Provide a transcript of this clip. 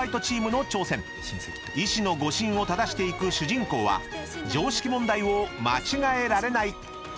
［医師の誤診を正していく主人公は常識問題を間違えられない！］